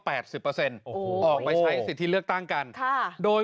เปอร์เซ็นต์โอ้โหออกไปใช้สิทธิเลือกตั้งกันค่ะโดย